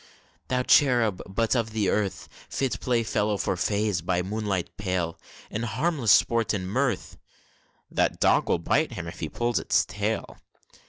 Thou cherub but of earth; Fit playfellow for Fays, by moonlight pale, In harmless sport and mirth, (That dog will bite him if he pulls its tail!)